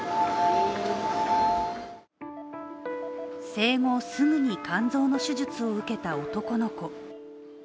生後すぐに肝臓の手術を受けた男の子。